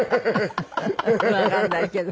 わかんないけど。